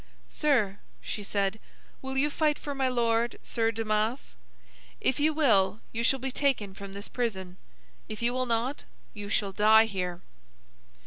"Sir," she said, "will you fight for my lord, Sir Damas? If you will, you shall be taken from this prison. If you will not, you shall die here."